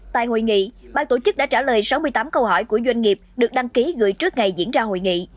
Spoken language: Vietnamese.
tại hội nghị ban tổ chức đã trả lời sáu mươi tám câu hỏi của doanh nghiệp được đăng ký gửi trước ngày diễn ra hội nghị